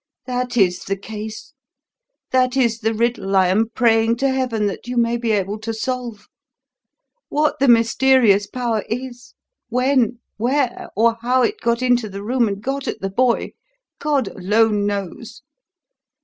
"That is the case that is the riddle I am praying to Heaven that you may be able to solve. What the mysterious power is, when, where, or how it got into the room and got at the boy, God alone knows.